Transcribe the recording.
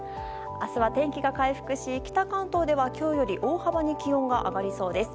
明日は天気が回復し北関東では今日より大幅に気温が上がりそうです。